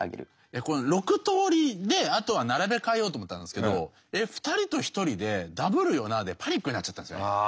６通りであとは並べ替えようと思ったんですけど２人と１人でダブるよなでパニックになっちゃったんですよね。